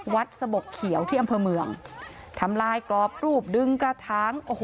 วัดสะบกเขียวที่อำเภอเมืองทำลายกรอบรูปดึงกระทั้ง